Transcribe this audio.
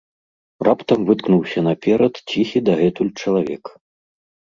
Раптам выткнуўся наперад ціхі дагэтуль чалавек.